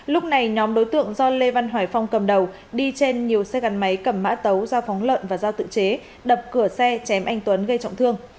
lúc này nhóm đối tượng do lê văn hoài phong cầm đầu đi trên nhiều xe gắn máy cầm mã tấu dao phóng lợn và dao tự chế đập cửa xe chém anh tuấn gây trọng thương